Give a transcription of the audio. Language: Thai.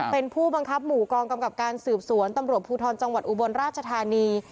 เป็นผู้บังคับหมู่กองกำกับการสืบสวนตำรวจภูทรจังหวัดอุบลราชธานี